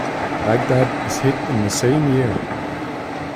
Baghdad is hit in the same year.